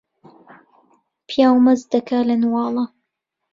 پیاو مەست دەکا لە نواڵە